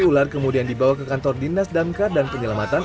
ular kemudian dibawa ke kantor dinas damkar dan penyelamatan